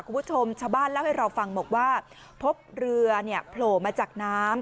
คุณผู้ชมชาวบ้านเล่าให้เราฟังบอกว่าพบเรือเนี่ยโผล่มาจากน้ำ